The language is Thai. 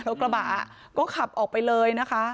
กระบะก็ขับออกไปเลยนะคะ